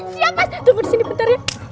siap mas tunggu di sini bentar ya